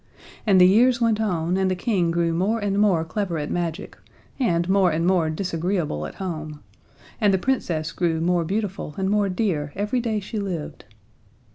And the years went on, and the King grew more and more clever at magic, and more and more disagreeable at home, and the Princess grew more beautiful and more dear every day she lived.